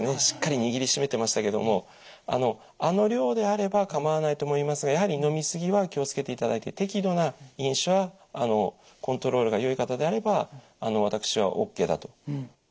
しっかり握りしめてましたけどもあの量であれば構わないと思いますがやはり飲み過ぎは気を付けていただいて適度な飲酒はコントロールがよい方であれば私はＯＫだと。